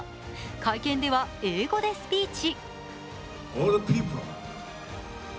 会見では英語でスピーチ。